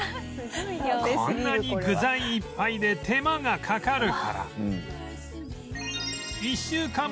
こんなに具材いっぱいで手間がかかるから